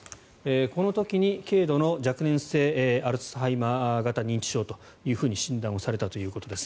この時に軽度の若年性アルツハイマー型認知症と診断をされたということです。